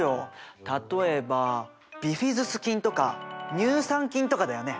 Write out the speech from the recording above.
例えばビフィズス菌とか乳酸菌とかだよね？